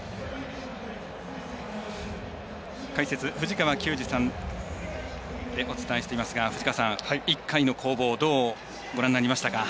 解説、藤川球児さんでお伝えしていますが１回の攻防どうご覧になりましたか？